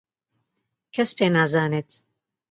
کەس پێ نازانێت.